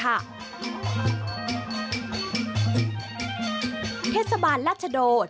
เทศบาลรัชโดจัดงานแห่เทียนพันศาสตร์ทางน้ำแห่งแรกของโลก